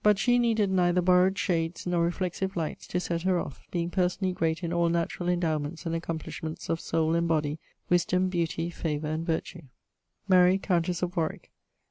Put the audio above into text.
] needed neither borrowed shades, nor reflexive lights, to set her off, being personally great in all naturall endowments and accomplishments of soul and body, wisdome, beautie, favour, and virtue; [XXVII.] Mary, countess of Warwick.